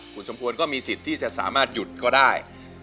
คุณสมควรก็มีสิทธิ์ที่จะสามารถหยุดก็ได้